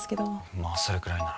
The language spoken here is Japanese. まあそれくらいなら。